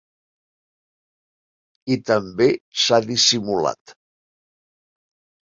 I també s’ha dissimulat.